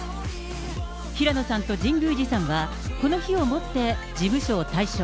平野さんと神宮寺さんはこの日をもって事務所を退所。